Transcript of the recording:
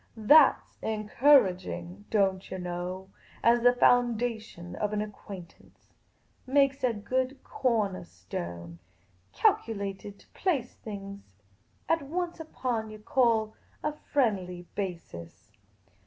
" That 's encourag ing, don't yah know, as the foundation of an acquaintance. Makes a good cornah stone. Calculated to place things at once upon what yah call a friendly basis.